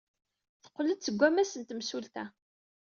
Teqqel-d seg wammas n temsulta.